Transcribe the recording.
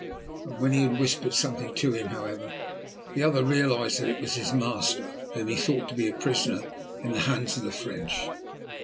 When he had whispered something to him, however, the other realized that it was his master, whom he thought to be a prisoner in the hands of the French.